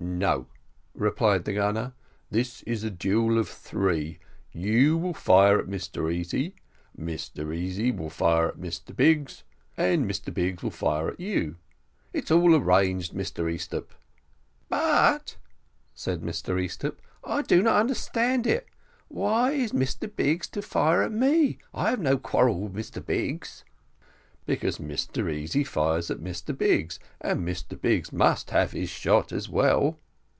"No," replied the gunner, "this is a duel of three. You will fire at Mr Easy, Mr Easy will fire at Mr Biggs, and Mr Biggs will fire at you. It is all arranged, Mr Easthupp." "But," said Mr Easthupp, "I do not understand it. Why is Mr Biggs to fire at me? I have no quarrel with Mr Biggs." "Because Mr Easy fires at Mr Biggs, and Mr Biggs must have his shot as well."